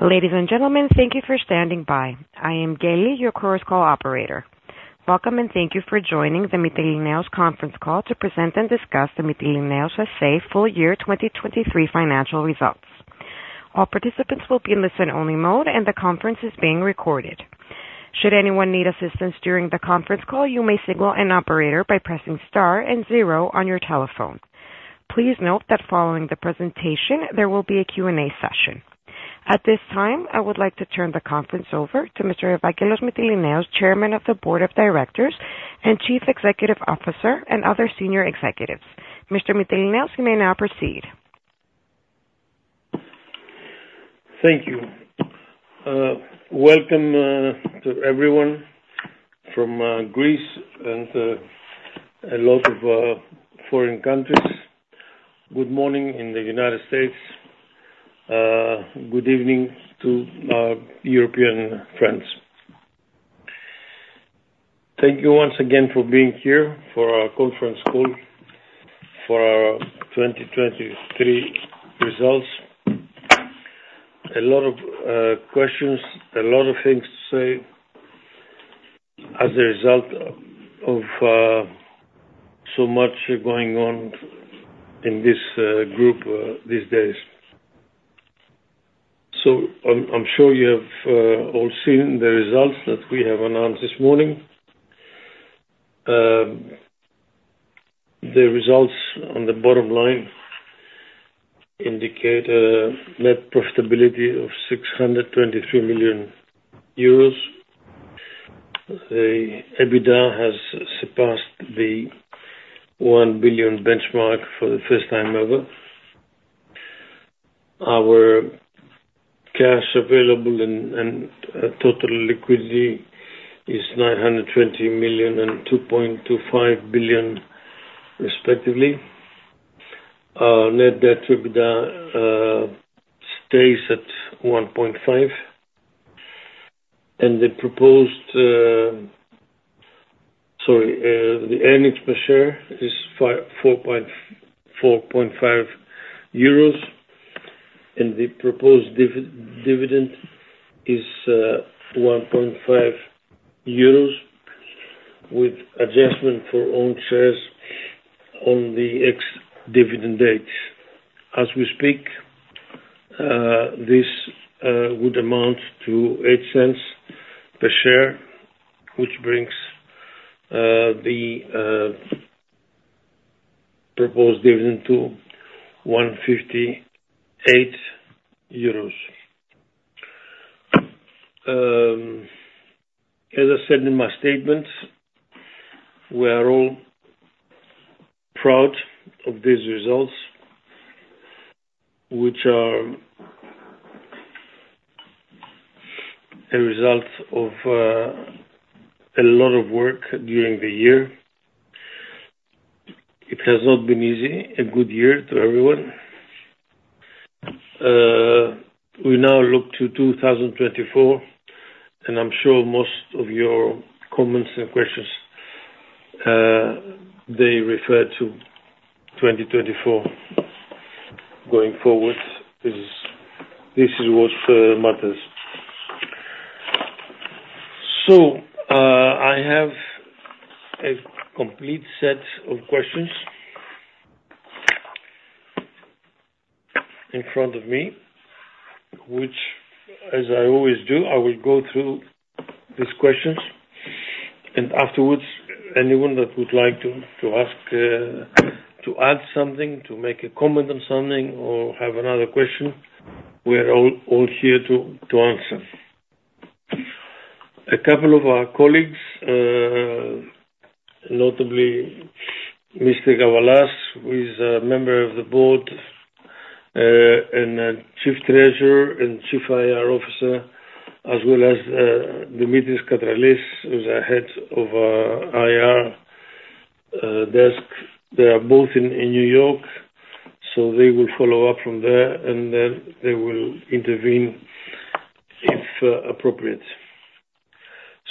Ladies and gentlemen, thank you for standing by. I am Gail, your Chorus Call operator. Welcome, and thank you for joining the Mytilineos conference call to present and discuss the Mytilineos SA full-year 2023 financial results. All participants will be in listen-only mode, and the conference is being recorded. Should anyone need assistance during the conference call, you may signal an operator by pressing star and zero on your telephone. Please note that following the presentation, there will be a Q&A session. At this time, I would like to turn the conference over to Mr. Evangelos Mytilineos, Chairman of the Board of Directors and Chief Executive Officer, and other senior executives. Mr. Mytilineos, you may now proceed. Thank you. Welcome to everyone from Greece and a lot of foreign countries. Good morning in the United States, good evening to our European friends. Thank you once again for being here for our conference call for our 2023 results. A lot of questions, a lot of things to say as a result of so much going on in this group these days. So I'm sure you have all seen the results that we have announced this morning. The results on the bottom line indicate a net profitability of 623 million euros. The EBITDA has surpassed the 1 billion benchmark for the first time ever. Our cash available and total liquidity is 920 million and 2.25 billion, respectively. Our net debt to EBITDA stays at 1.5, and the proposed... Sorry, the earnings per share is 4.45 euros, and the proposed dividend is 1.5 euros, with adjustment for own shares on the ex-dividend date. As we speak, this would amount to 0.08 EUR per share, which brings the proposed dividend to 1.58 EUR. As I said in my statement, we are all proud of these results, which are a result of a lot of work during the year. It has not been easy, a good year to everyone. We now look to 2024, and I'm sure most of your comments and questions they refer to 2024. Going forward, this is what matters. So, I have a complete set of questions in front of me, which, as I always do, I will go through these questions, and afterwards, anyone that would like to, to ask, to add something, to make a comment on something, or have another question, we are all, all here to, to answer. A couple of our colleagues, notably Mr. Gavalas, who is a member of the board, and a Chief Treasurer and Chief IR Officer, as well as, Dimitris Katralis, who's our Head of our IR desk. They are both in New York, so they will follow up from there, and then they will intervene if appropriate.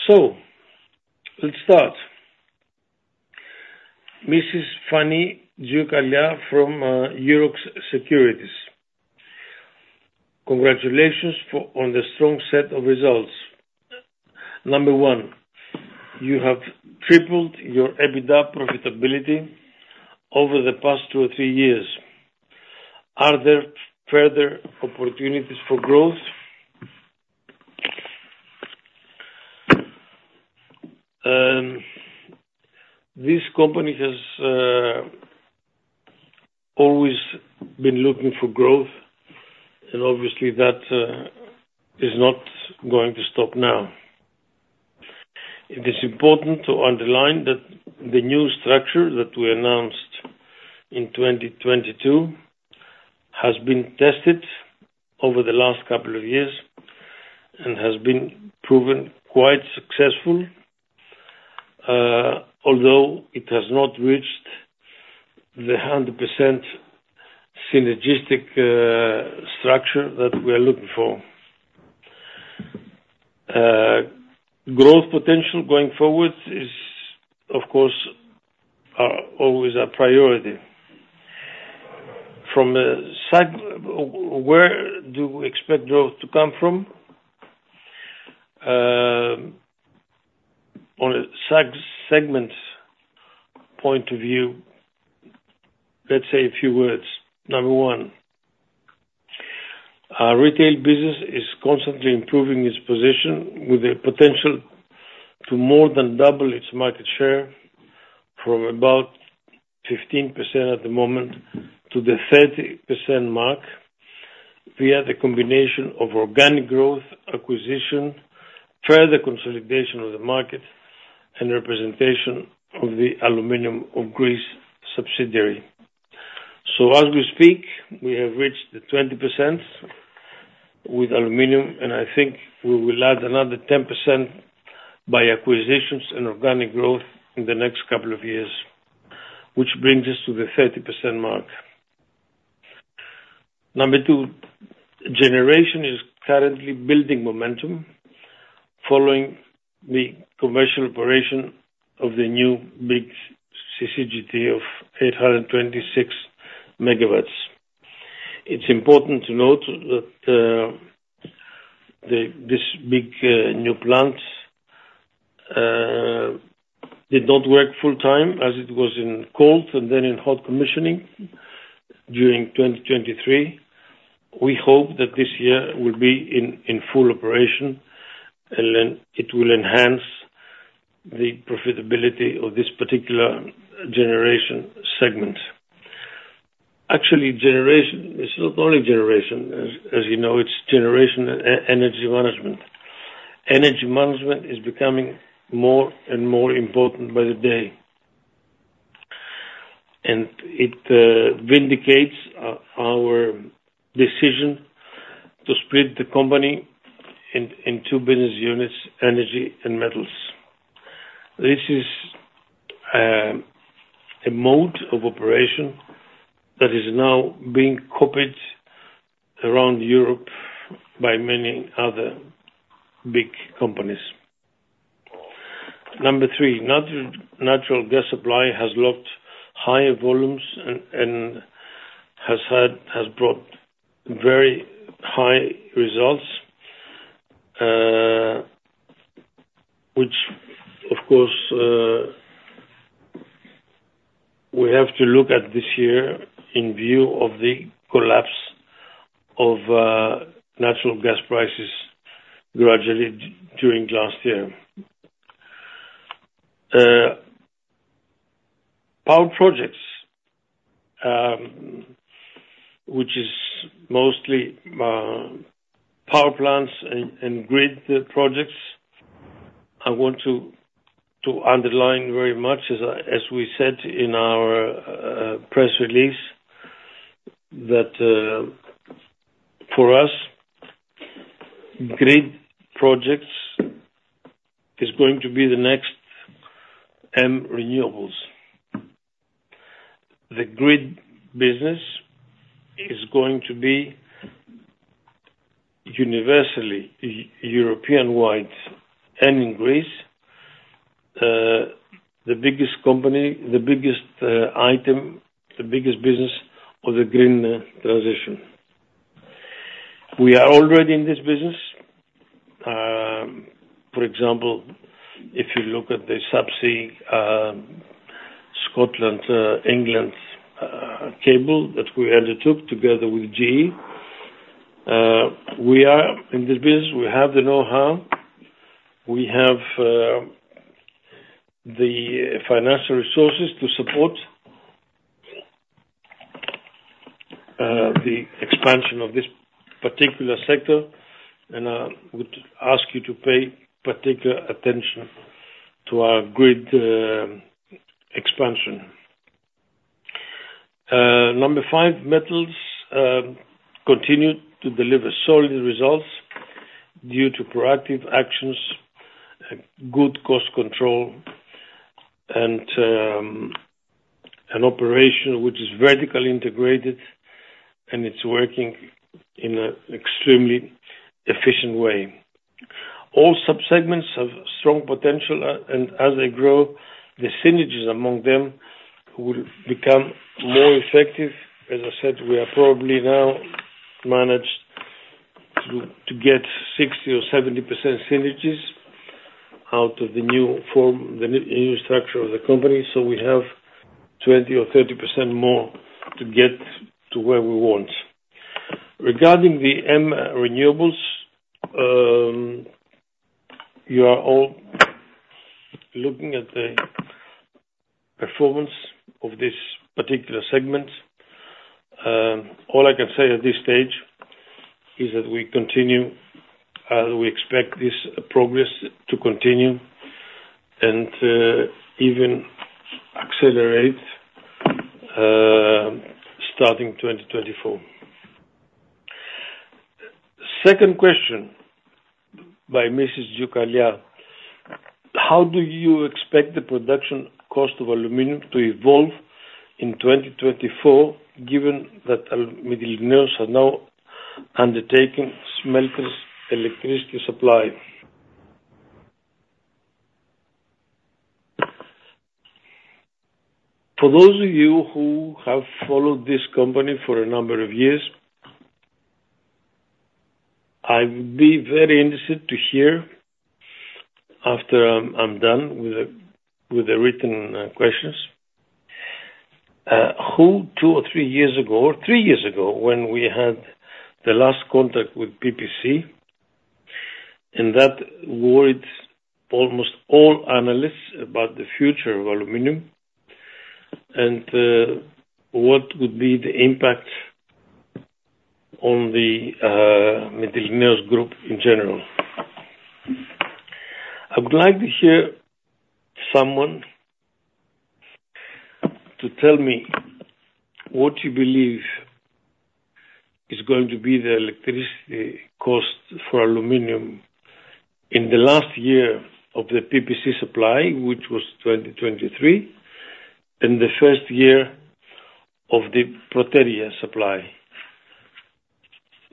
So let's start. Fani Tzioukalia from Euroxx Securities. Congratulations on the strong set of results. Number one, you have tripled your EBITDA profitability over the past two or three years. Are there further opportunities for growth? This company has always been looking for growth, and obviously that is not going to stop now. It is important to underline that the new structure that we announced in 2022 has been tested over the last couple of years and has been proven quite successful, although it has not reached the 100% synergistic structure that we are looking for. Growth potential going forward is, of course, always a priority. From side, where do we expect growth to come from? On a segments point of view, let's say a few words. 1: Our retail business is constantly improving its position, with a potential to more than double its market share from about 15% at the moment to the 30% mark, via the combination of organic growth, acquisition, further consolidation of the market, and representation of the Aluminium of Greece subsidiary. So as we speak, we have reached the 20% with aluminum, and I think we will add another 10% by acquisitions and organic growth in the next couple of years, which brings us to the 30% mark. 2: Generation is currently building momentum following the commercial operation of the new big CCGT of 826 MW. It's important to note that this big new plant did not work full time as it was in cold and then in hot commissioning during 2023. We hope that this year will be in full operation, and then it will enhance the profitability of this particular generation segment. Actually, generation, it's not only generation, as you know, it's generation and energy management. Energy management is becoming more and more important by the day. And it vindicates our decision to split the company in two business units, energy and metals. This is a mode of operation that is now being copied around Europe by many other big companies. Number three, natural gas supply has locked higher volumes and has brought very high results, which of course, we have to look at this year in view of the collapse of natural gas prices gradually during last year. Power projects, which is mostly power plants and grid projects. I want to underline very much as we said in our press release, that, for us, grid projects is going to be the next renewables. The grid business is going to be universally European wide and in Greece the biggest company, the biggest item, the biggest business of the green transition. We are already in this business. For example, if you look at the subsea Scotland England cable that we undertook together with GE, we are in this business. We have the know-how. We have the financial resources to support the expansion of this particular sector, and I would ask you to pay particular attention to our grid expansion. Number five, metals continue to deliver solid results due to proactive actions and good cost control and an operation which is vertically integrated, and it's working in an extremely efficient way. All subsegments have strong potential and as they grow, the synergies among them will become more effective. As I said, we are probably now managed to get 60% or 70% synergies out of the new form, the new structure of the company, so we have 20% or 30% more to get to where we want. Regarding the M Renewables, you are all looking at the performance of this particular segment. All I can say at this stage is that we continue, we expect this progress to continue and even accelerate, starting 2024. Second question by Mrs. Gioukkas: How do you expect the production cost of aluminum to evolve in 2024, given that Mytilineos are now undertaking smelters electricity supply? For those of you who have followed this company for a number of years, I would be very interested to hear, after I'm, I'm done with the, with the written questions, who 2 or 3 years ago, or 3 years ago, when we had the last contact with PPC, and that worried almost all analysts about the future of aluminum, and what would be the impact on the Metals Group in general? I would like to hear someone to tell me what you believe is going to be the electricity cost for aluminum in the last year of the PPC supply, which was 2023, and the first year of the Protergia supply.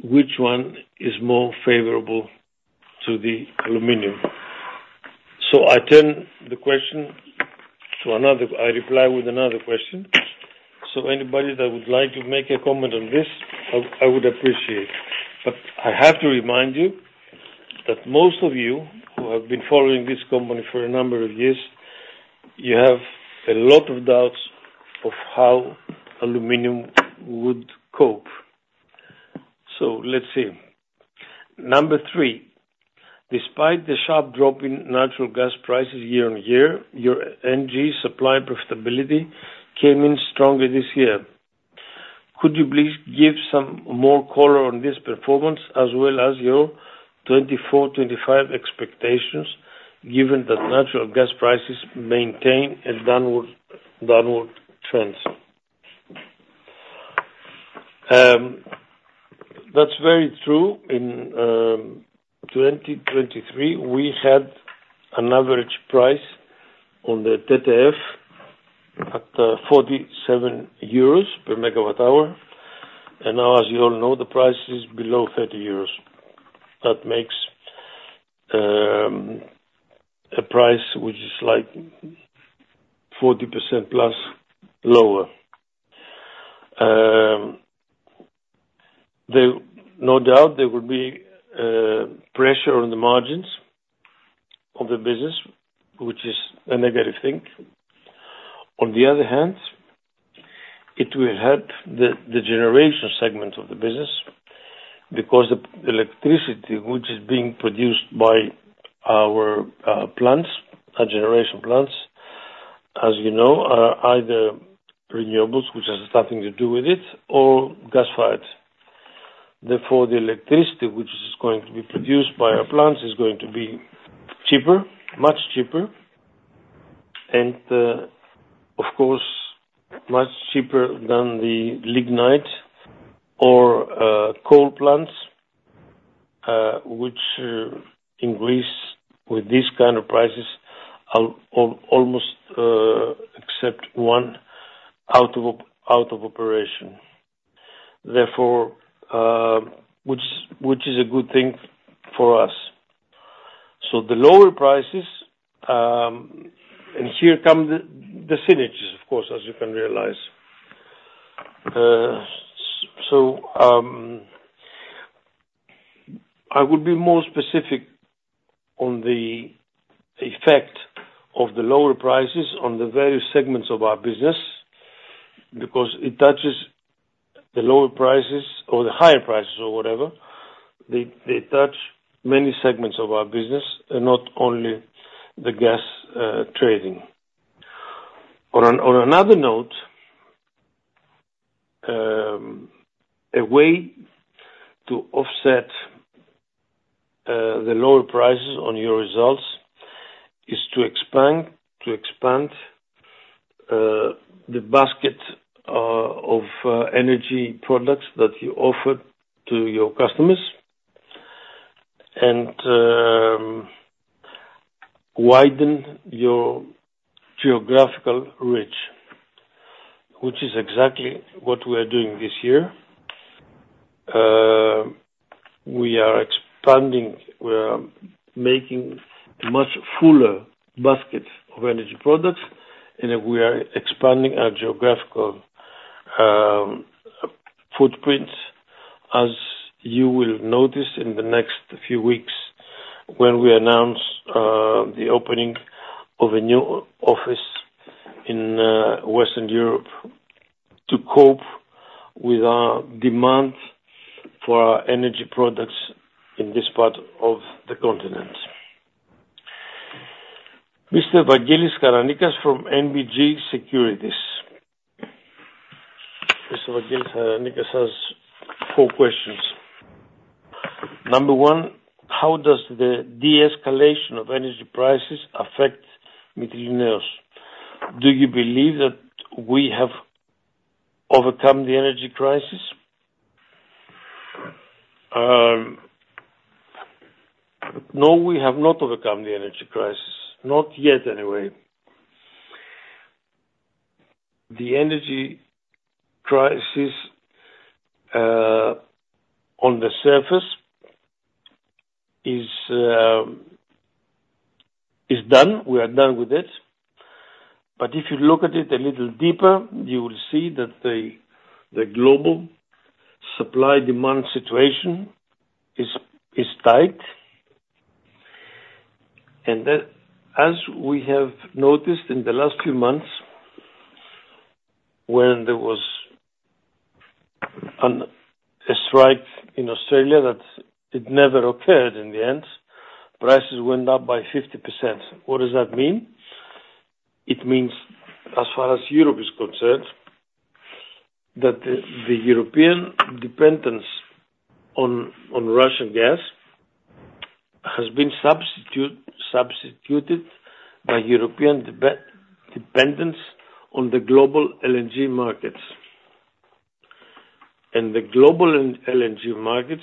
Which one is more favorable to the aluminum? So I turn the question to another. I reply with another question. So anybody that would like to make a comment on this, I, I would appreciate. But I have to remind you, that most of you who have been following this company for a number of years, you have a lot of doubts of how aluminum would cope. So let's see. Number three: despite the sharp drop in natural gas prices year-on-year, your NG supply profitability came in stronger this year. Could you please give some more color on this performance, as well as your 2024-2025 expectations, given that natural gas prices maintain a downward, downward trends? That's very true. In 2023, we had an average price on the TTF at 47 euros per megawatt hour, and now, as you all know, the price is below 30 euros. That makes a price which is like 40% plus lower. There, no doubt there will be pressure on the margins of the business, which is a negative thing. On the other hand, it will help the generation segment of the business, because the electricity, which is being produced by our plants, our generation plants, as you know, are either renewables, which has nothing to do with it, or gas fired. Therefore, the electricity which is going to be produced by our plants is going to be cheaper, much cheaper, and, of course, much cheaper than the lignite or coal plants, which increase with these kind of prices, almost, except one out of operation. Therefore, which is a good thing for us. So the lower prices, and here come the synergies of course, as you can realize. So, I would be more specific on the effect of the lower prices on the various segments of our business, because it touches the lower prices or the higher prices or whatever, they touch many segments of our business, and not only the gas trading. On another note, a way to offset the lower prices on your results is to expand the basket of energy products that you offer to your customers, and widen your geographical reach, which is exactly what we are doing this year. We are expanding, we are making a much fuller basket of energy products, and we are expanding our geographical footprint, as you will notice in the next few weeks, when we announce the opening of a new office in Western Europe to cope with our demand for our energy products in this part of the continent. Mr. Vangelis Karanikas from NBG Securities. Mr. Vangelis Karanikas has 4 questions. Number 1: How does the de-escalation of energy prices affect Mytilineos? Do you believe that we have overcome the energy crisis? No, we have not overcome the energy crisis. Not yet, anyway.... The energy crisis, on the surface is, is done. We are done with it. But if you look at it a little deeper, you will see that the global supply-demand situation is tight, and that as we have noticed in the last few months, when there was a strike in Australia that it never occurred in the end, prices went up by 50%. What does that mean? It means, as far as Europe is concerned, that the European dependence on Russian gas has been substituted by European dependence on the global LNG markets. And the global LNG markets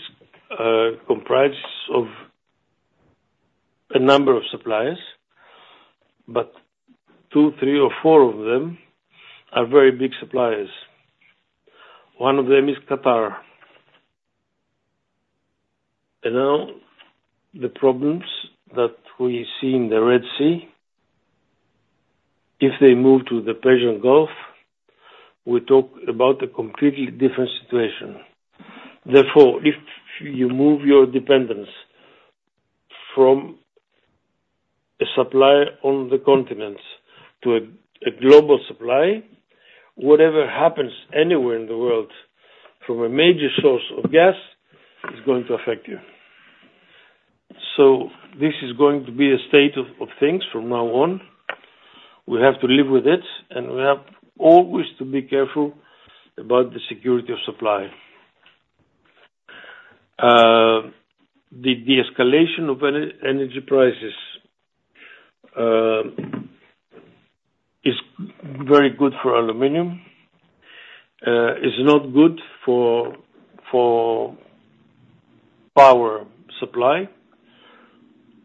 comprise of a number of suppliers, but two, three, or four of them are very big suppliers. One of them is Qatar. And now, the problems that we see in the Red Sea, if they move to the Persian Gulf, we talk about a completely different situation. Therefore, if you move your dependence from a supplier on the continents to a global supply, whatever happens anywhere in the world from a major source of gas, is going to affect you. So this is going to be a state of things from now on. We have to live with it, and we always to be careful about the security of supply. The de-escalation of energy prices is very good for aluminum. It's not good for power supply,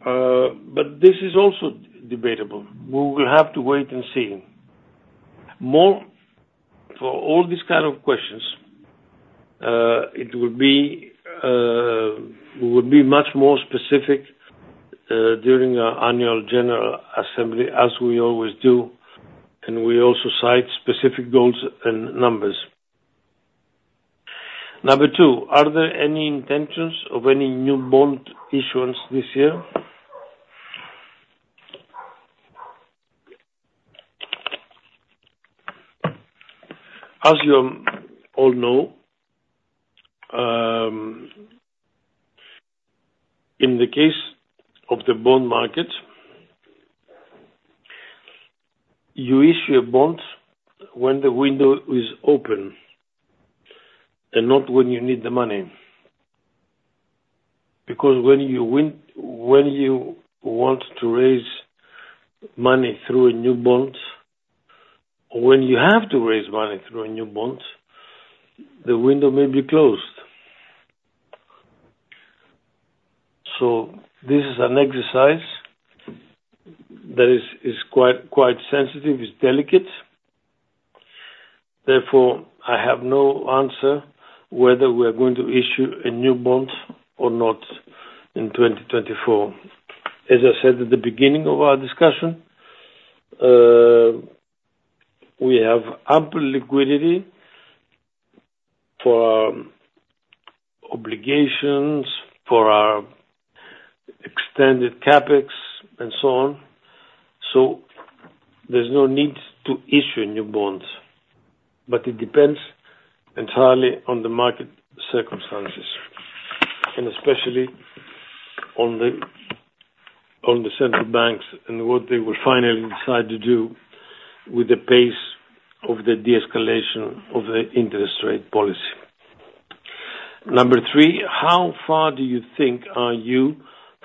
but this is also debatable. We will have to wait and see. Moreover, for all these kind of questions, it would be we would be much more specific during our annual general assembly, as we always do, and we also cite specific goals and numbers. Number two: Are there any intentions of any new bond issuance this year? As you all know, in the case of the bond market, you issue a bond when the window is open and not when you need the money. Because when you want to raise money through a new bond, or when you have to raise money through a new bond, the window may be closed. So this is an exercise that is quite sensitive, it's delicate. Therefore, I have no answer whether we are going to issue a new bond or not in 2024. As I said at the beginning of our discussion, we have ample liquidity for our obligations, for our extended CapEx, and so on. So there's no need to issue new bonds, but it depends entirely on the market circumstances, and especially on the central banks and what they will finally decide to do with the pace of the de-escalation of the interest rate policy. Number three: How far do you think are you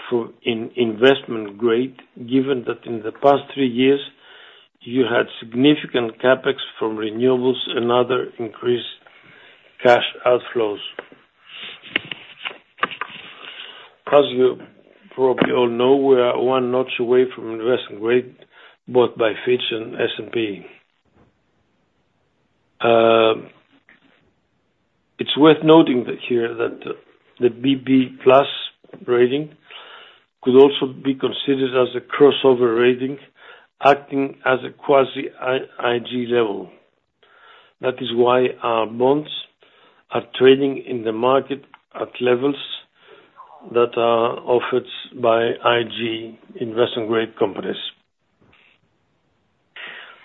for in Investment Grade, given that in the past three years you had significant CapEx from renewables and other increased cash outflows? As you probably all know, we are one notch away from Investment Grade, both by Fitch and S&P. It's worth noting that here, that the BB+ rating could also be considered as a crossover rating, acting as a quasi-IG level. That is why our bonds are trading in the market at levels that are offered by IG Investment Grade companies.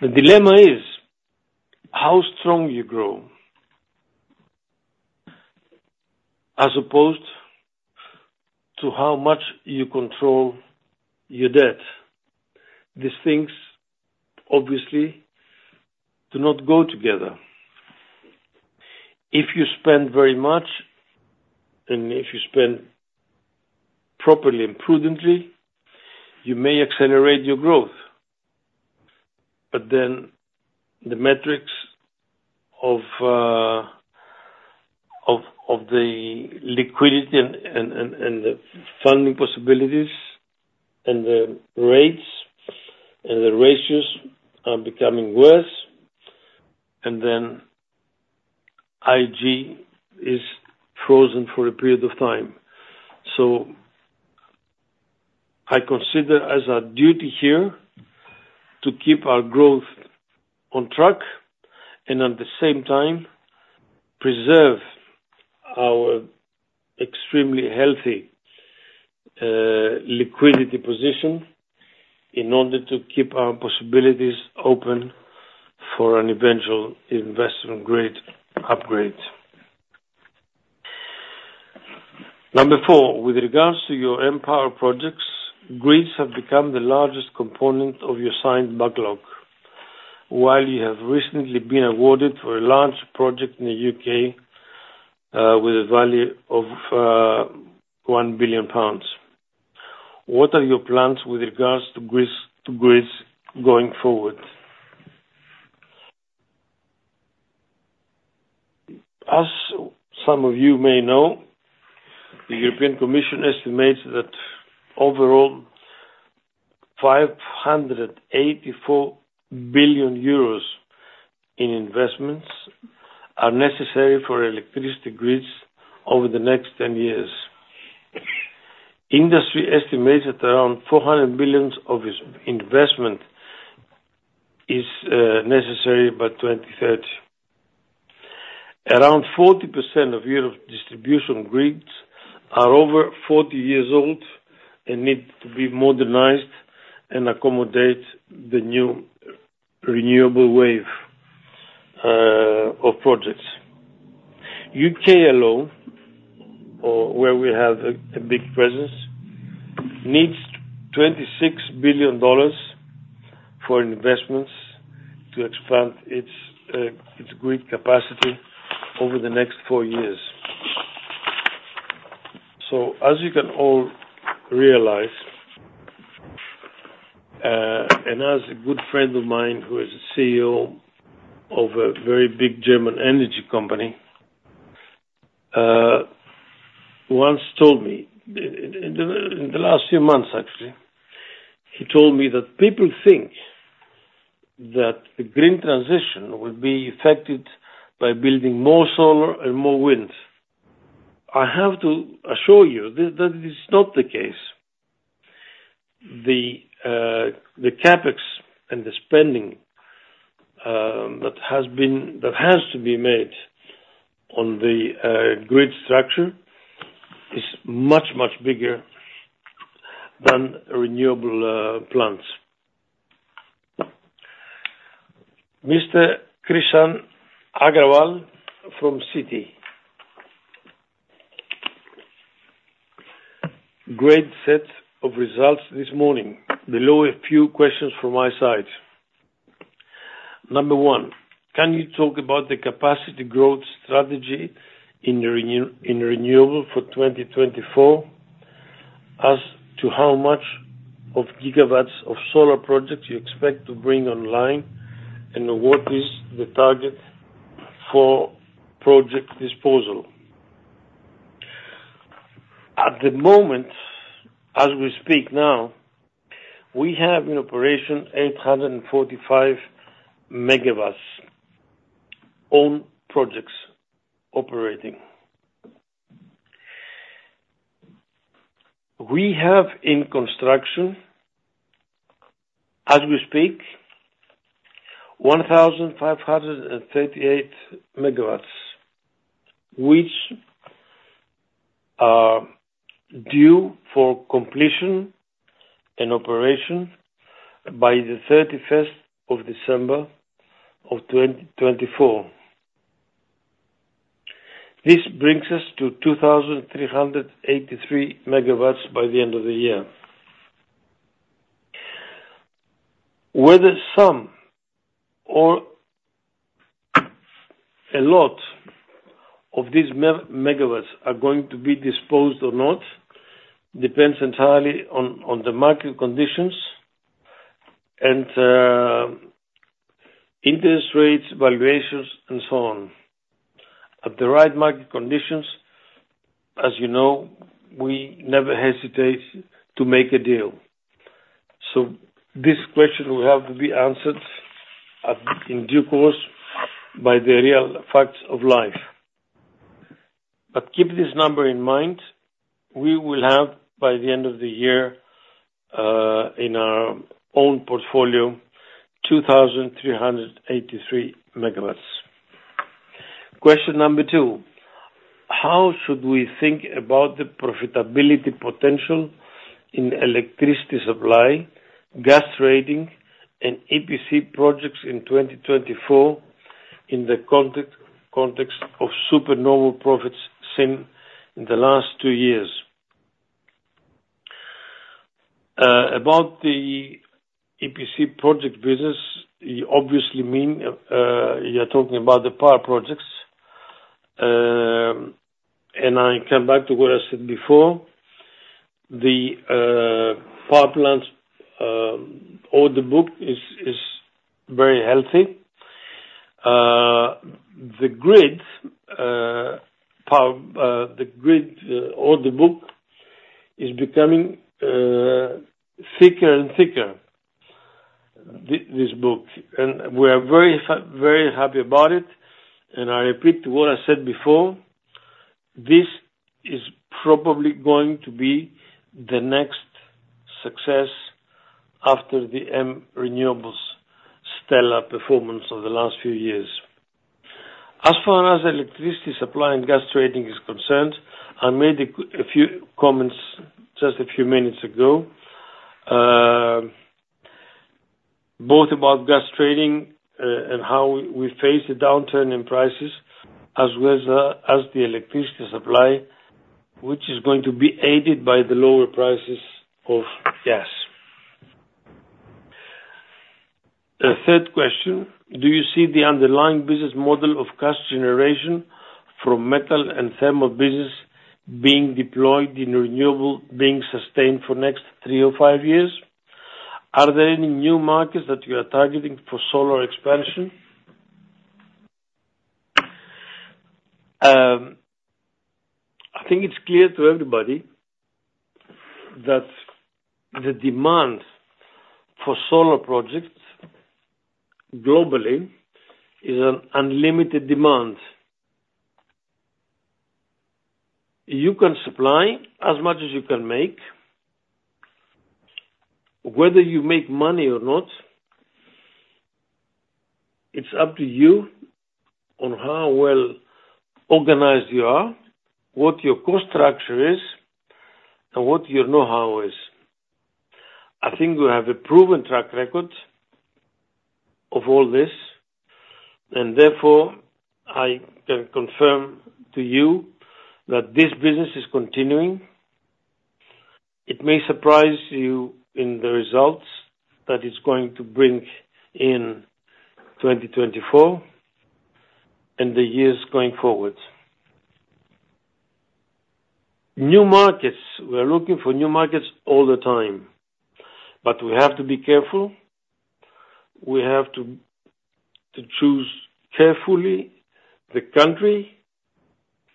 The dilemma is how strong you grow, as opposed to how much you control your debt. These things obviously do not go together. If you spend very much, and if you spend properly and prudently, you may accelerate your growth, but then the metrics of the liquidity and the funding possibilities, and the rates, and the ratios are becoming worse, and then IG is frozen for a period of time. So I consider as our duty here, to keep our growth on track, and at the same time preserve our extremely healthy liquidity position, in order to keep our possibilities open for an eventual investment grade upgrade. Number 4: with regards to your M Power projects, grids have become the largest component of your signed backlog, while you have recently been awarded for a large project in the U.K., with a value of 1 billion pounds. What are your plans with regards to grids, to grids going forward? As some of you may know, the European Commission estimates that overall, 584 billion euros in investments are necessary for electricity grids over the next 10 years. Industry estimates that around 400 billion of this investment is necessary by 2030. Around 40% of Europe's distribution grids are over 40 years old and need to be modernized and accommodate the new renewable wave of projects. U.K. alone, or where we have a big presence, needs $26 billion for investments to expand its grid capacity over the next four years. So as you can all realize, and as a good friend of mine, who is a CEO of a very big German energy company, once told me, in the last few months, actually. He told me that people think that the green transition will be affected by building more solar and more wind. I have to assure you that that is not the case. The CapEx and the spending that has to be made on the grid structure is much, much bigger than renewable plants. Mr. Krishan Agarwal from Citi. Great set of results this morning. I have a few questions from my side. Number one: Can you talk about the capacity growth strategy in renewable for 2024, as to how much of gigawatts of solar projects you expect to bring online? And what is the target for project disposal? At the moment, as we speak now, we have in operation 845MW, own projects operating. We have in construction, as we speak, 1,538MW, which are due for completion and operation by the 31st of December of 2024. This brings us to 2,383MW by the end of the year. Whether some or a lot of these megawatts are going to be disposed or not, depends entirely on the market conditions and interest rates, valuations, and so on. At the right market conditions, as you know, we never hesitate to make a deal. So this question will have to be answered in due course by the real facts of life. But keep this number in mind, we will have, by the end of the year, in our own portfolio, 2,383MW. Question number 2: How should we think about the profitability potential in electricity supply, gas trading, and EPC projects in 2024, in the context of supernova profits seen in the last two years? About the EPC project business, you obviously mean, you're talking about the power projects. And I come back to what I said before, the power plants all the book is very healthy. The grid power the grid order book is becoming thicker and thicker, this book, and we are very happy about it. I repeat what I said before, this is probably going to be the next success after the, renewables stellar performance over the last few years. As far as electricity supply and gas trading is concerned, I made a few comments just a few minutes ago, both about gas trading, and how we face the downturn in prices, as well as, as the electricity supply, which is going to be aided by the lower prices of gas. The third question: Do you see the underlying business model of gas generation from metal and thermal business being deployed in renewable being sustained for next 3 or 5 years? Are there any new markets that you are targeting for solar expansion? I think it's clear to everybody that the demand for solar projects globally is an unlimited demand. You can supply as much as you can make. Whether you make money or not, it's up to you on how well organized you are, what your cost structure is, and what your know-how is. I think we have a proven track record of all this, and therefore, I can confirm to you that this business is continuing. It may surprise you in the results that it's going to bring in 2024 and the years going forward. New markets. We're looking for new markets all the time, but we have to be careful. We have to choose carefully the country,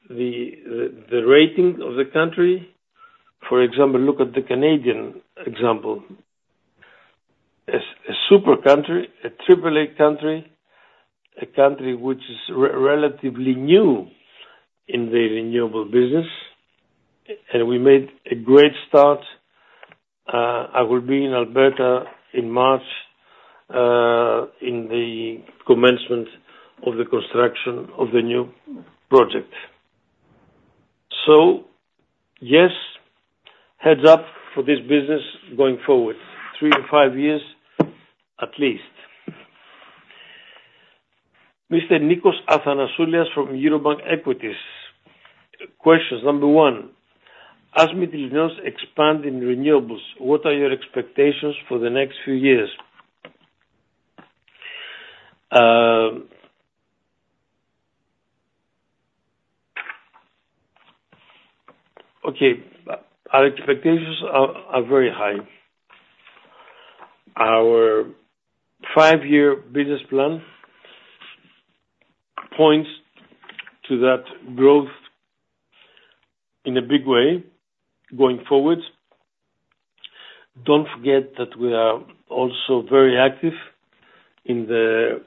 the rating of the country. For example, look at the Canadian example. A super country, AAA country, a country which is relatively new in the renewable business, and we made a great start. I will be in Alberta in March, in the commencement of the construction of the new project. So yes, heads up for this business going forward, 3-5 years, at least. Mr. Nikos Athanasiou from Eurobank Equities. Questions, number one: As Mytilineos expand in renewables, what are your expectations for the next few years? Okay. Our expectations are, are very high. Our five-year business plan points to that growth in a big way going forward. Don't forget that we are also very active in the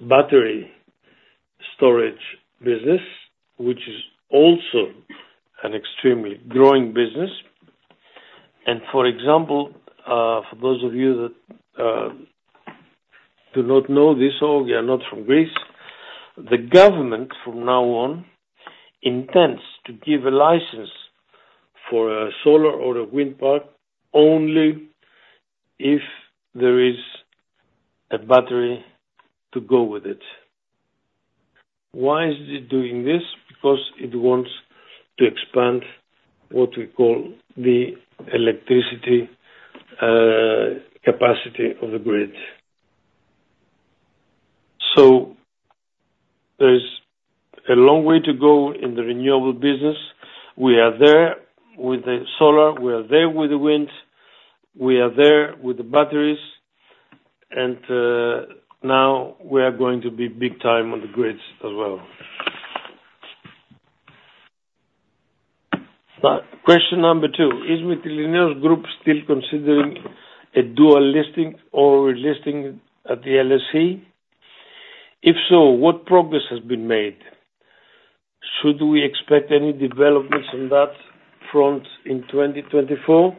battery storage business, which is also an extremely growing business. And for example, for those of you that, do not know this or you are not from Greece, the government from now on, intends to give a license for a solar or a wind park only if there is a battery to go with it. Why is it doing this? Because it wants to expand what we call the electricity capacity of the grid. So there's a long way to go in the renewable business. We are there with the solar, we are there with the wind, we are there with the batteries, and, now we are going to be big time on the grids as well. Question number 2: Is Mytilineos still considering a dual listing or listing at the LSE? If so, what progress has been made? Should we expect any developments on that front in 2024?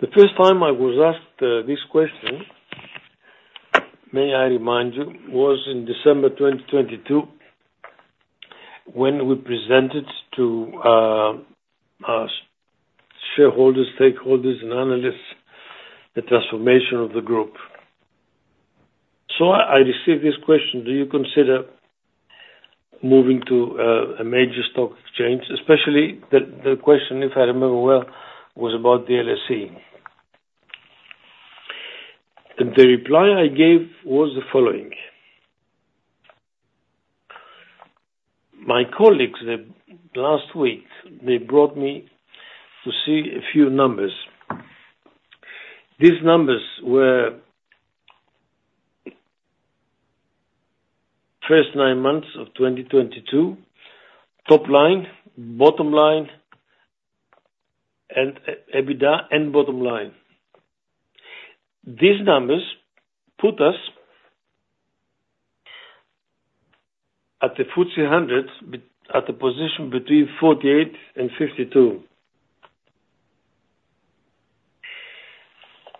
The first time I was asked this question, may I remind you, was in December 2022, when we presented to shareholders, stakeholders and analysts, the transformation of the group. So I received this question: Do you consider moving to a major stock exchange? Especially the question, if I remember well, was about the LSE. The reply I gave was the following: My colleagues, they, last week, they brought me to see a few numbers. These numbers were first nine months of 2022, top line, bottom line, and EBITDA, and bottom line. These numbers put us at the FTSE 100, at the position between 48 and 52.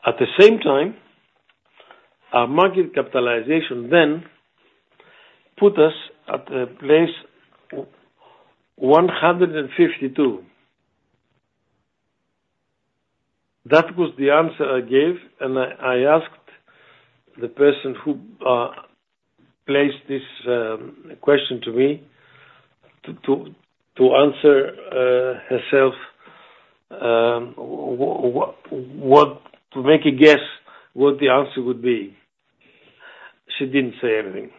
At the same time, our market capitalization then put us at a place 152. That was the answer I gave, and I asked the person who placed this question to me to answer herself to make a guess, what the answer would be. She didn't say anything.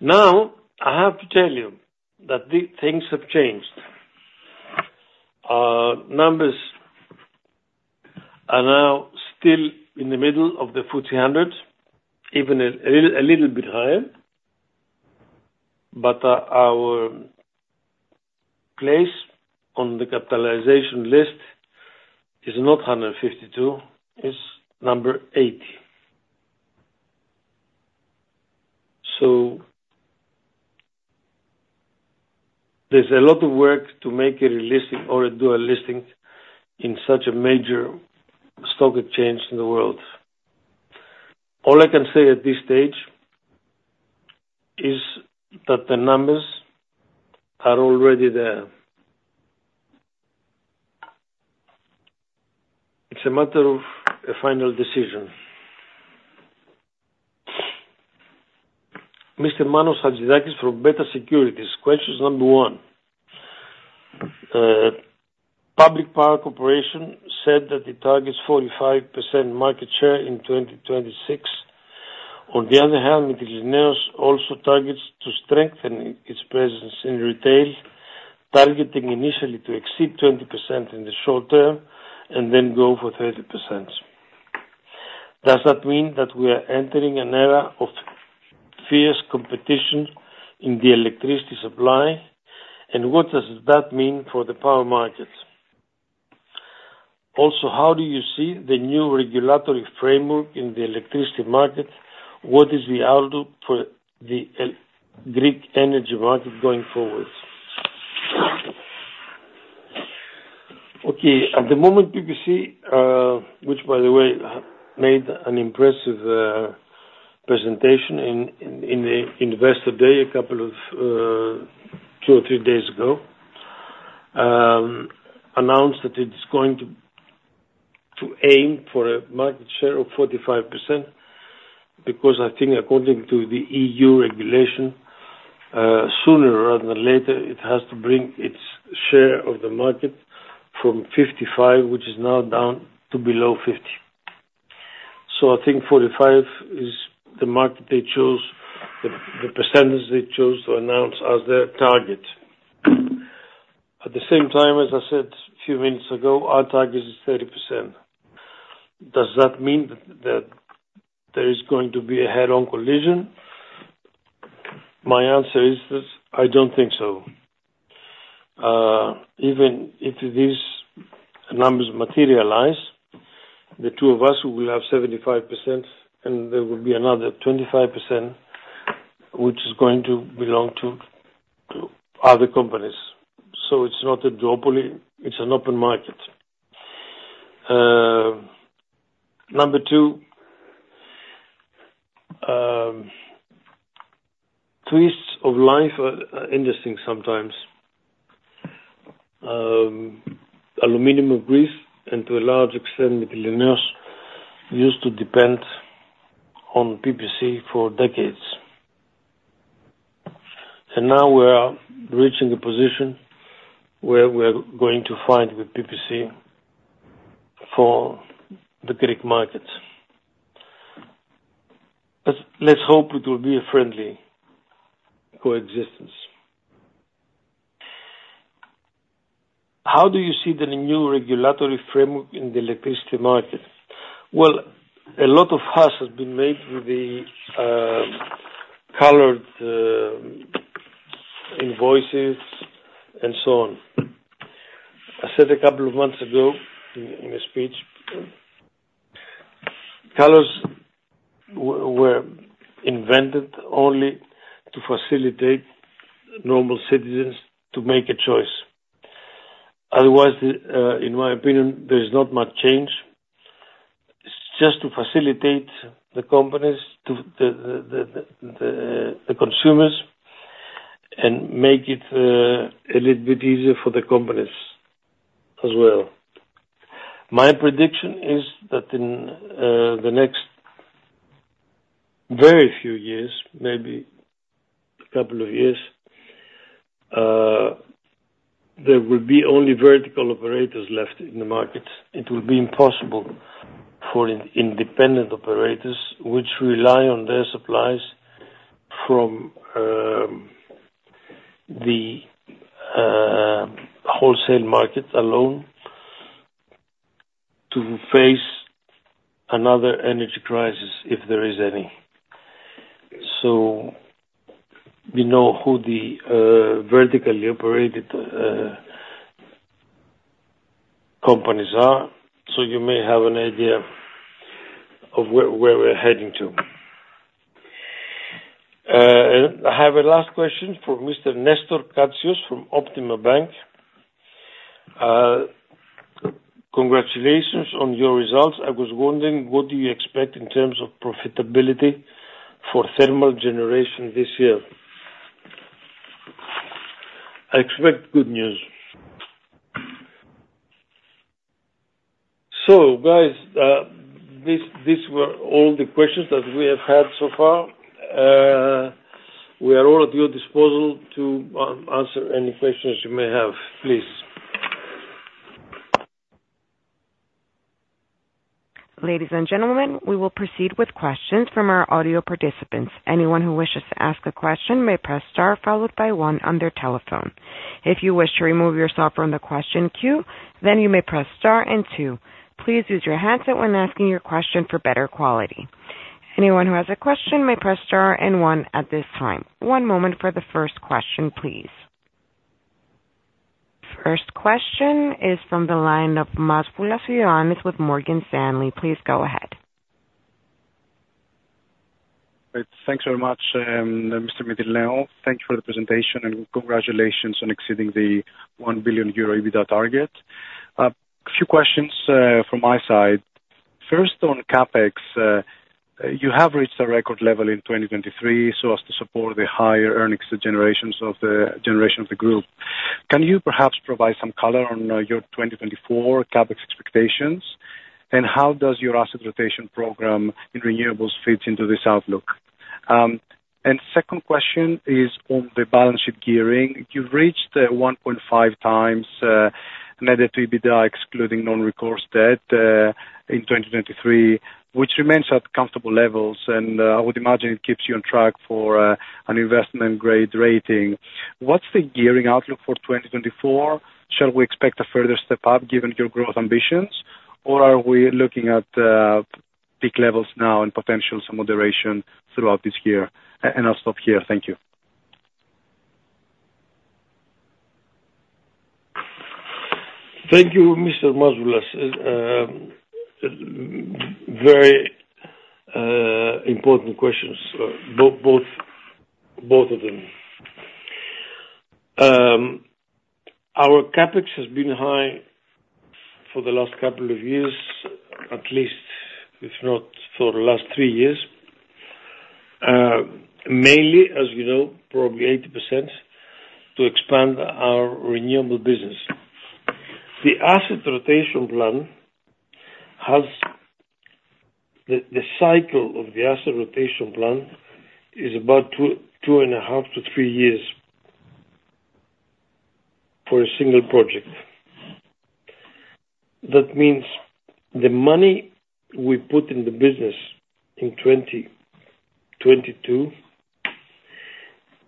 Now, I have to tell you that the things have changed. Our numbers are now still in the middle of the FTSE 100, even a little bit higher. But our place on the capitalization list is not 152, it's number 80. So there's a lot of work to make a delisting or do a listing in such a major stock exchange in the world. All I can say at this stage is that the numbers are already there. It's a matter of a final decision. Mr. Manos Hatzidakis from Beta Securities. Question number one. Public Power Corporation said that it targets 45% market share in 2026. On the other hand, Mytilineos also targets to strengthen its presence in retail, targeting initially to exceed 20% in the short term and then go for 30%. Does that mean that we are entering an era of fierce competition in the electricity supply? What does that mean for the power market? Also, how do you see the new regulatory framework in the electricity market? What is the outlook for the Greek energy market going forward? Okay. At the moment, PPC, which, by the way, made an impressive presentation in the Investor Day, a couple of two or three days ago, announced that it's going to aim for a market share of 45%, because I think according to the EU regulation, sooner rather than later, it has to bring its share of the market from 55, which is now down to below 50. So I think 45% is the market they chose, the percentage they chose to announce as their target. At the same time, as I said a few minutes ago, our target is 30%. Does that mean that there is going to be a head-on collision? My answer is this: I don't think so. Even if these numbers materialize, the two of us will have 75%, and there will be another 25%, which is going to belong to other companies. So it's not a duopoly, it's an open market. Number two, twists of life are interesting sometimes. Aluminium of Greece, and to a large extent, Mytilineos, used to depend on PPC for decades. And now we are reaching a position where we're going to fight with PPC for the Greek markets. Let's hope it will be a friendly coexistence. How do you see the new regulatory framework in the electricity market? Well, a lot of fuss has been made with the colored invoices and so on. I said a couple of months ago, in a speech, colors were invented only to facilitate normal citizens to make a choice. Otherwise, in my opinion, there is not much change. It's just to facilitate the companies to the consumers and make it a little bit easier for the companies as well. My prediction is that in the next very few years, maybe a couple of years, there will be only vertical operators left in the market. It will be impossible for independent operators, which rely on their supplies from the wholesale market alone, to face another energy crisis, if there is any. So we know who the vertically operated companies are, so you may have an idea of where we're heading to. I have a last question from Mr. Nestoras Katsios from Optima Bank. Congratulations on your results. I was wondering, what do you expect in terms of profitability for thermal generation this year? I expect good news. So guys, these were all the questions that we have had so far. We are all at your disposal to answer any questions you may have, please. Ladies and gentlemen, we will proceed with questions from our audio participants. Anyone who wishes to ask a question may press star, followed by one on their telephone. If you wish to remove yourself from the question queue, then you may press star and two. Please use your headset when asking your question for better quality. Anyone who has a question may press star and one at this time. One moment for the first question, please. First question is from the line of Masvoulas loannis, with Morgan Stanley. Please go ahead. Thanks very much, Mr. Mytilineos. Thank you for the presentation, and congratulations on exceeding the 1 billion euro EBITDA target. A few questions from my side. First, on CapEx, you have reached a record level in 2023, so as to support the higher generation of the group. Can you perhaps provide some color on your 2024 CapEx expectations? And how does your asset rotation program in renewables fit into this outlook? And second question is on the balance sheet gearing. You've reached 1.5x net debt to EBITDA, excluding non-recourse debt, in 2023, which remains at comfortable levels, and I would imagine it keeps you on track for an investment grade rating. What's the gearing outlook for 2024? Shall we expect a further step up, given your growth ambitions? Or are we looking at, peak levels now and potential some moderation throughout this year? I'll stop here. Thank you. Thank you, Mr. Mazpula. Very important questions, both of them. Our CapEx has been high for the last couple of years, at least, if not for the last 3 years. Mainly, as you know, probably 80% to expand our renewable business. The asset rotation plan. The cycle of the asset rotation plan is about 2, 2.5-3 years for a single project. That means the money we put in the business in 2022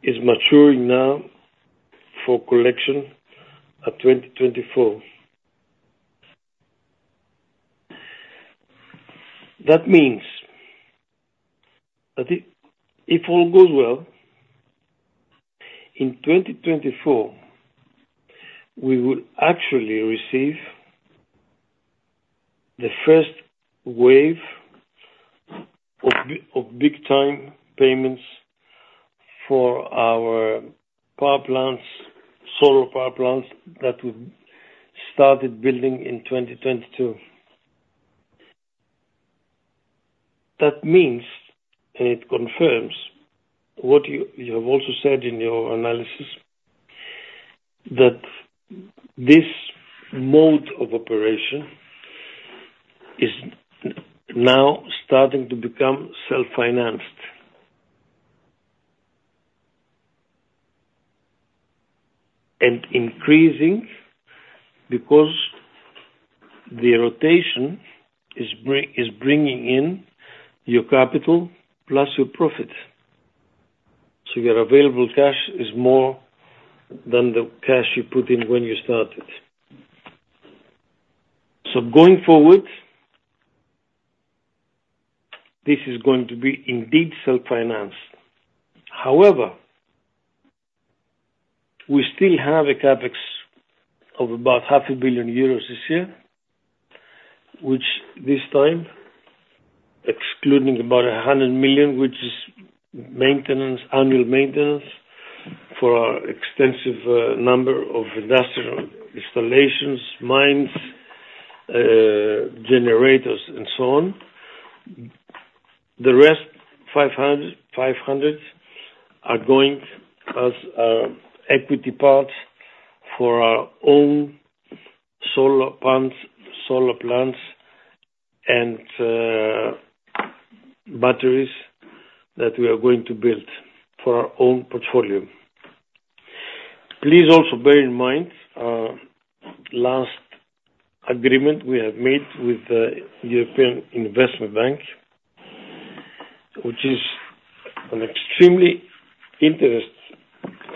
is maturing now for collection at 2024. That means that if all goes well, in 2024, we will actually receive the first wave of big time payments for our power plants, solar power plants, that we started building in 2022. That means, and it confirms what you have also said in your analysis, that this mode of operation is now starting to become self-financed. And increasing because the rotation is bringing in your capital plus your profit. So your available cash is more than the cash you put in when you started. So going forward, this is going to be indeed self-financed. However, we still have a CapEx of about 500 million euros this year, which this time excluding about 100 million, which is maintenance, annual maintenance for our extensive number of industrial installations, mines, generators and so on. The rest, 500, 500 are going as equity parts for our own solar pumps, solar plants, and batteries that we are going to build for our own portfolio. Please also bear in mind, last agreement we have made with European Investment Bank, which is an extremely interesting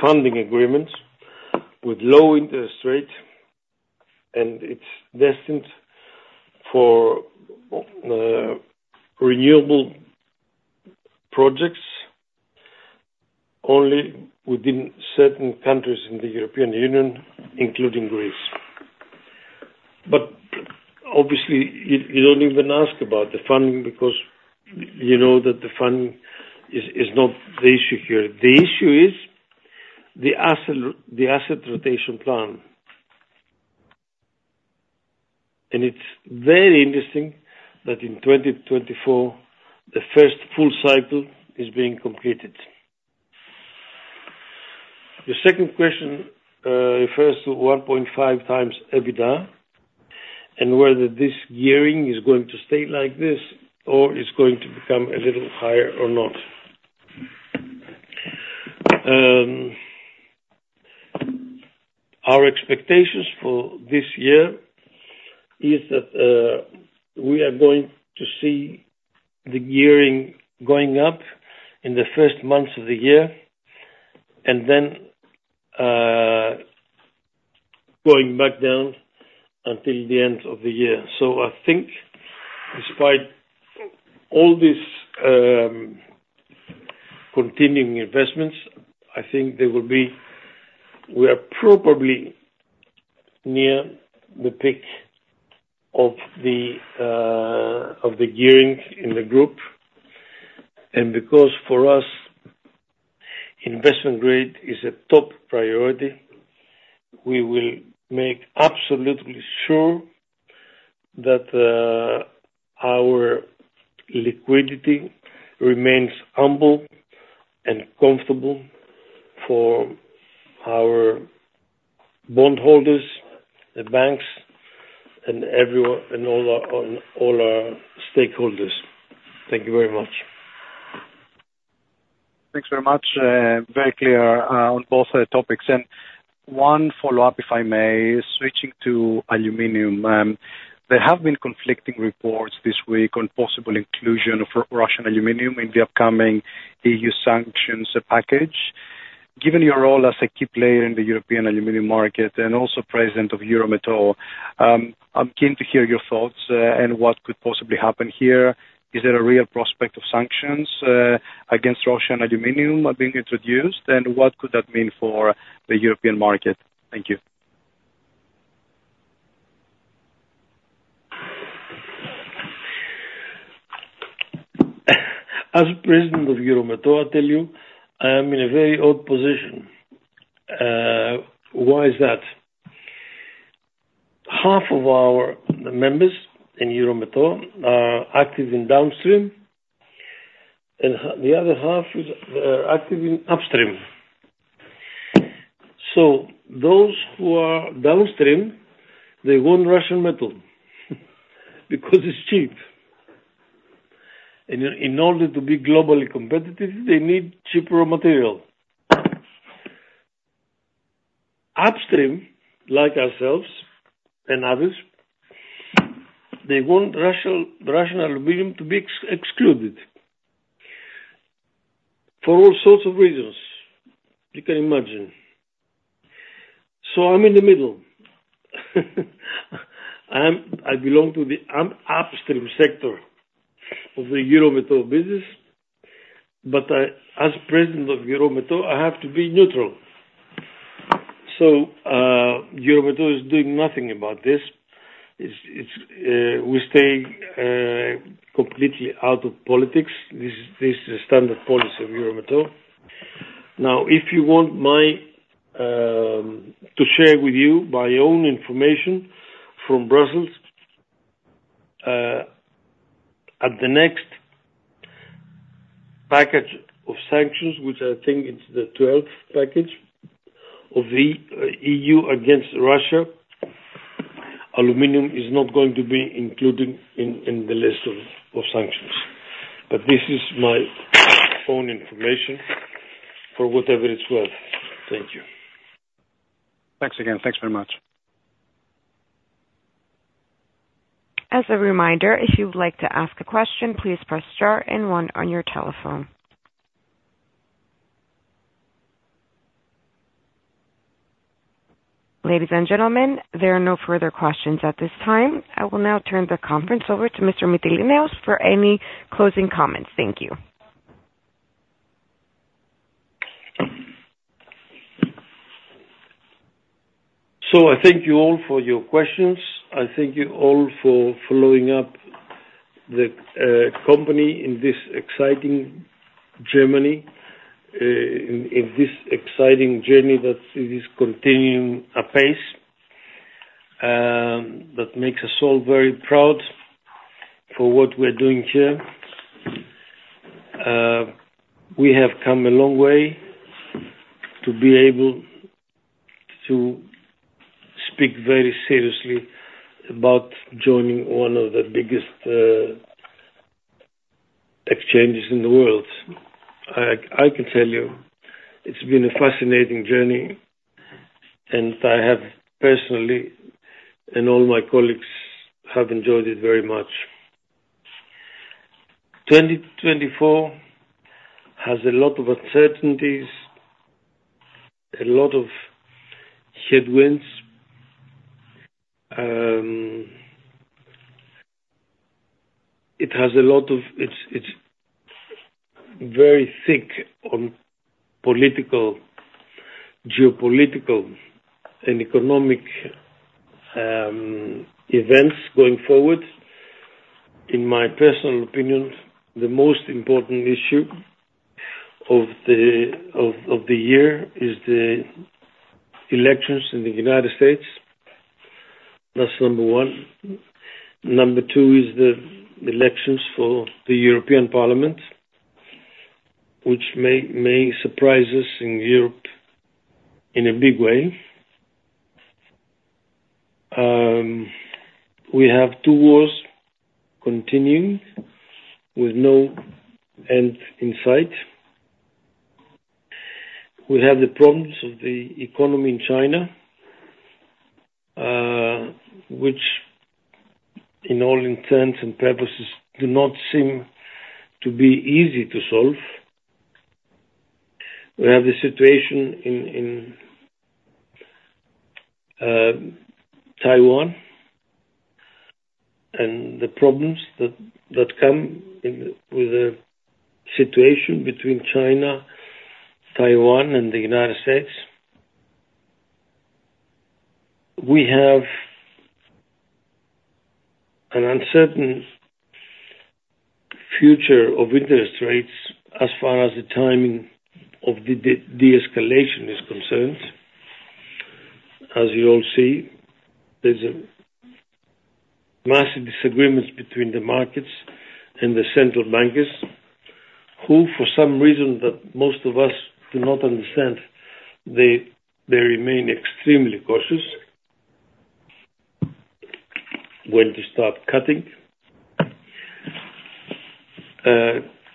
funding agreement with low interest rate, and it's destined for renewable projects only within certain countries in the European Union, including Greece. But obviously, you, you don't even ask about the funding because you know that the funding is, is not the issue here. The issue is the asset, the asset rotation plan. And it's very interesting that in 2024, the first full cycle is being completed. The second question refers to 1.5x EBITDA, and whether this gearing is going to stay like this or is going to become a little higher or not. Our expectations for this year is that we are going to see the gearing going up in the first months of the year and then going back down until the end of the year. So I think despite all these continuing investments, I think we are probably near the peak of the gearing in the group, and because for us, Investment Grade is a top priority, we will make absolutely sure that our liquidity remains humble and comfortable for our bondholders, the banks, and everyone, and all our stakeholders. Thank you very much. Thanks very much. Very clear, on both topics. One follow-up, if I may, switching to aluminum. There have been conflicting reports this week on possible inclusion of Russian aluminum in the upcoming E.U. sanctions package. Given your role as a key player in the European aluminum market and also President of Eurometaux, I'm keen to hear your thoughts, and what could possibly happen here. Is there a real prospect of sanctions against Russian aluminum are being introduced, and what could that mean for the European market? Thank you. As President of Eurometaux, I tell you, I am in a very odd position. Why is that? Half of our members in Eurometaux are active in downstream, and the other half is active in upstream. So those who are downstream, they want Russian metal, because it's cheap. And in order to be globally competitive, they need cheaper material. Upstream, like ourselves and others, they want Russian aluminum to be excluded for all sorts of reasons, you can imagine. So I'm in the middle. I belong to the upstream sector of the Eurometaux business, but I, as President of Eurometaux, I have to be neutral. So, Eurometaux is doing nothing about this. We stay completely out of politics. This is standard policy of Eurometaux. Now, if you want me to share with you my own information from Brussels, at the next package of sanctions, which I think it's the twelfth package of the EU against Russia, aluminum is not going to be included in the list of sanctions. But this is my own information for whatever it's worth. Thank you. Thanks again. Thanks very much. As a reminder, if you would like to ask a question, please press star and one on your telephone. Ladies and gentlemen, there are no further questions at this time. I will now turn the conference over to Mr. Mytilineos for any closing comments. Thank you. So I thank you all for your questions. I thank you all for following up the company in this exciting journey, in this exciting journey that it is continuing apace, that makes us all very proud for what we're doing here.... We have come a long way to be able to speak very seriously about joining one of the biggest exchanges in the world. I can tell you it's been a fascinating journey, and I have personally, and all my colleagues have enjoyed it very much. 2024 has a lot of uncertainties, a lot of headwinds. It has a lot of. It's very thick on political, geopolitical, and economic events going forward. In my personal opinion, the most important issue of the year is the elections in the United States. That's number one. Number 2 is the elections for the European Parliament, which may surprise us in Europe in a big way. We have 2 wars continuing with no end in sight. We have the problems of the economy in China, which in all intents and purposes do not seem to be easy to solve. We have the situation in Taiwan and the problems that come in with the situation between China, Taiwan, and the United States. We have an uncertain future of interest rates as far as the timing of the de-escalation is concerned. As you all see, there's a massive disagreements between the markets and the central bankers, who, for some reason that most of us do not understand, they remain extremely cautious when to start cutting.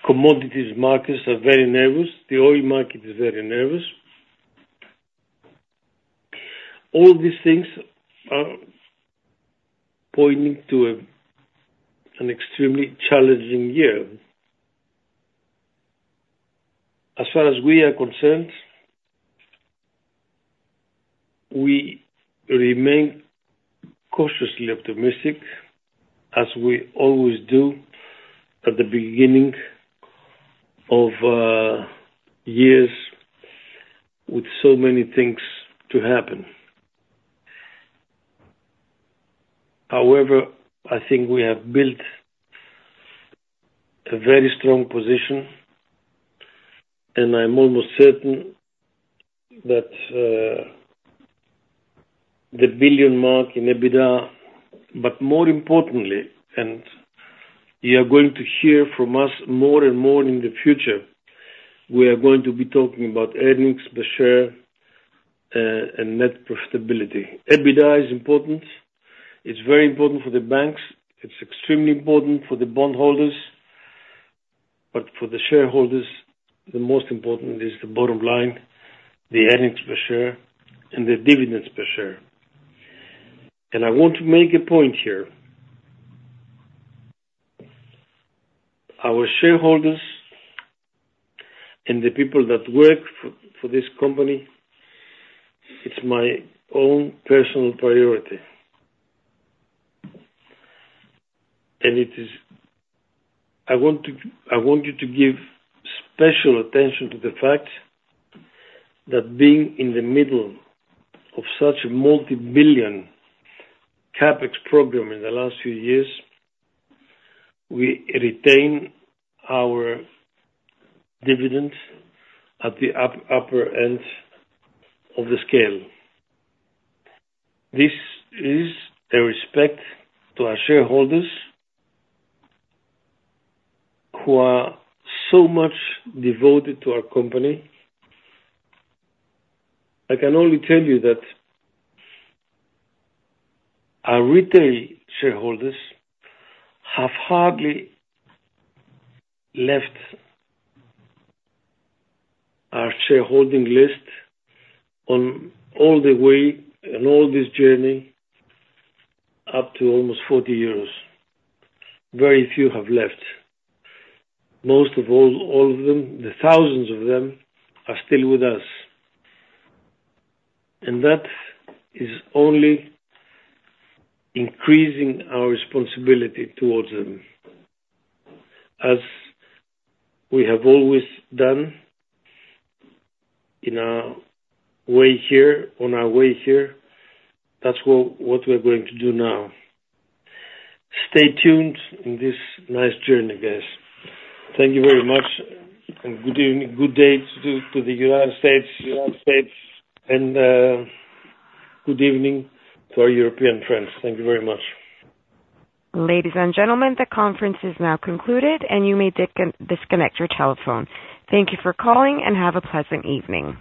Commodities markets are very nervous. The oil market is very nervous. All these things are pointing to a, an extremely challenging year. As far as we are concerned, we remain cautiously optimistic, as we always do at the beginning of, years with so many things to happen. However, I think we have built a very strong position, and I'm almost certain that, the 1 billion mark in EBITDA, but more importantly, and you are going to hear from us more and more in the future, we are going to be talking about earnings per share, and net profitability. EBITDA is important. It's very important for the banks. It's extremely important for the bondholders, but for the shareholders, the most important is the bottom line, the earnings per share and the dividends per share. And I want to make a point here. Our shareholders and the people that work for this company, it's my own personal priority. And it is... I want to, I want you to give special attention to the fact that being in the middle of such a multi-billion CapEx program in the last few years, we retain our dividend at the upper end of the scale. This is a respect to our shareholders who are so much devoted to our company. I can only tell you that our retail shareholders have hardly left our shareholding list on all the way and all this journey up to almost 40 years. Very few have left. Most of all, all of them, the thousands of them, are still with us, and that is only increasing our responsibility towards them. As we have always done in our way here, on our way here, that's what, what we're going to do now. Stay tuned in this nice journey, guys. Thank you very much, and good evening, good day to the United States, and good evening to our European friends. Thank you very much. Ladies and gentlemen, the conference is now concluded, and you may disconnect your telephone. Thank you for calling, and have a pleasant evening.